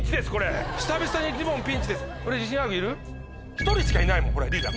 １人しかいないもんリーダー。